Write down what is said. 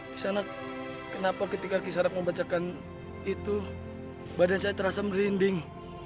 kisah anak kenapa ketika kisah anak membacakan itu badan saya terasa merinding